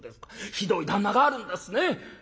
ひどい旦那があるんですね」。